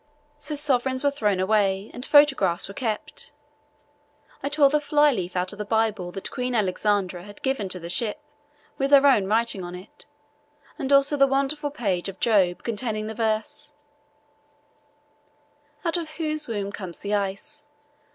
So sovereigns were thrown away and photographs were kept. I tore the fly leaf out of the Bible that Queen Alexandra had given to the ship, with her own writing in it, and also the wonderful page of Job containing the verse: Out of whose womb came the ice?